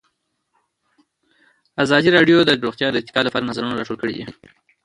ازادي راډیو د روغتیا د ارتقا لپاره نظرونه راټول کړي.